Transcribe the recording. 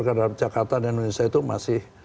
transjakarta dan indonesia itu masih